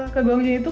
ke kung chin itu